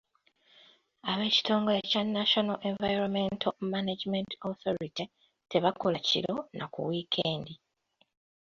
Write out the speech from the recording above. Ab'ekitongole kya National Environmental Management Authority tebakola kiro na ku wiikendi.